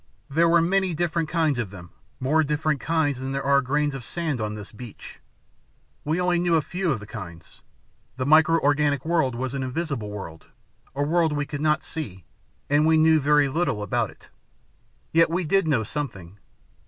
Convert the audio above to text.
There were many different kinds of them more different kinds than there are grains of sand on this beach. We knew only a few of the kinds. The micro organic world was an invisible world, a world we could not see, and we knew very little about it. Yet we did know something.